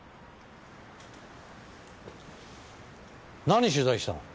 何取材したの？